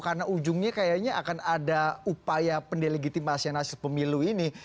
karena ujungnya kayaknya akan ada upaya pendelegitimasi nasional pemilu ini